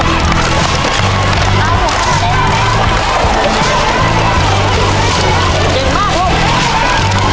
นี่คือของทุกพวกเรานะครับ